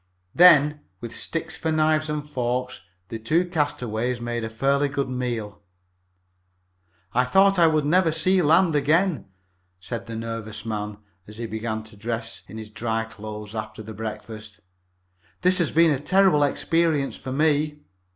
Then, with sticks for knives and forks, the two castaways made a fairly good meal. "I thought I never would see land again," said the nervous man, as he began to dress in his dry clothes after the breakfast. "This has been a terrible experience for me."